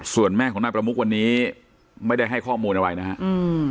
ส่วนแม่ของนายประมุกวันนี้ไม่ได้ให้ข้อมูลอะไรนะครับอืม